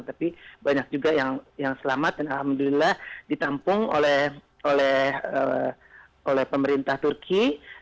tapi banyak juga yang selamat dan alhamdulillah ditampung oleh pemerintah turki